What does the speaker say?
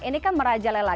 ini kan merajalela